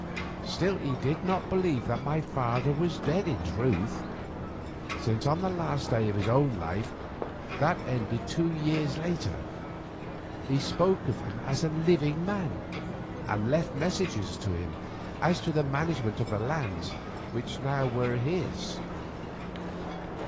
Still he did not believe that my father was dead in truth, since on the last day of his own life, that ended two years later, he spoke of him as a living man, and left messages to him as to the management of the lands which now were his.